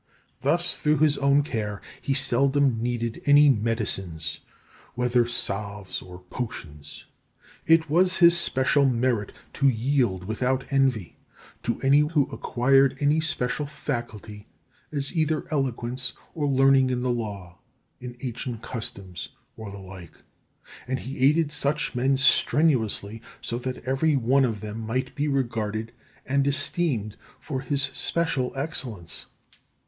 Thus, through his own care, he seldom needed any medicines, whether salves or potions. It was his special merit to yield without envy to any who had acquired any special faculty, as either eloquence, or learning in the Law, in ancient customs, or the like; and he aided such men strenuously, so that every one of them might be regarded and esteemed for his special excellence.